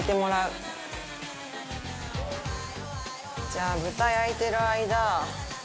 じゃあ豚焼いてる間。